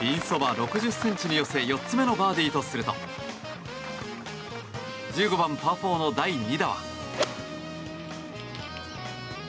６０ｃｍに寄せ４つ目のバーディーとすると１５番、パー４の第２打は。